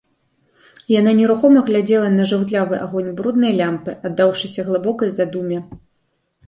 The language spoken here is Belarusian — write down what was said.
Яна нерухома глядзела на жаўтлявы агонь бруднай лямпы, аддаўшыся глыбокай задуме.